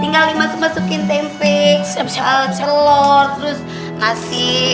tinggal masuk masukin tempe celor terus nasi